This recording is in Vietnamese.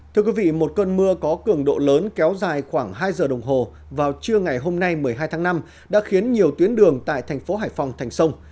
thưa quý vị một cơn mưa có cường độ lớn kéo dài khoảng hai giờ đồng hồ vào trưa ngày hôm nay một mươi hai tháng năm đã khiến nhiều tuyến đường tại thành phố hải phòng thành sông